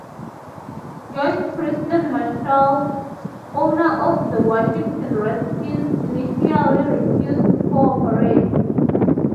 George Preston Marshall, owner of the Washington Redskins, initially refused to cooperate.